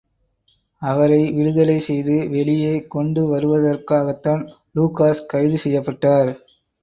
அவரை விடுதலை செய்து வெளியே கொண்டுவருவதற்காகத்தான் லூகாஸ் கைது செய்யப்பட்டார்.